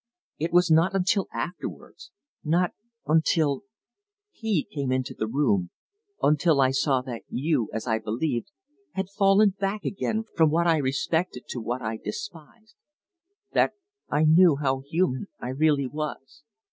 It was not until afterwards; not until he came into the room; until I saw that you, as I believed, had fallen back again from what I respected to what I despised that I knew how human I really was.